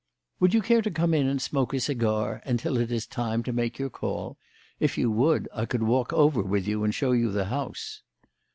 "Would you care to come in and smoke a cigar until it is time to make your call? If you would, I could walk over with you and show you the house."